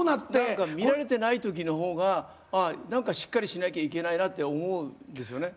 何か見られてない時のほうが何かしっかりしなきゃいけないなと思うんですよね。